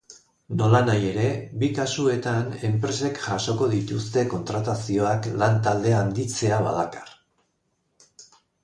Nolanahi ere, bi kasuetan enpresek jasoko dituzte, kontratazioak lantaldea handitzea badakar.